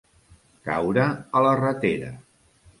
Caure a la ratera.